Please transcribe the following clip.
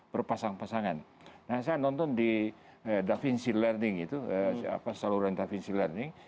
berpasangan pasangan nah saya nonton di da vinci learning itu saluran da vinci learning